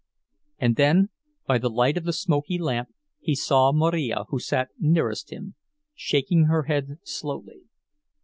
And then, by the light of the smoky lamp, he saw Marija who sat nearest him, shaking her head slowly.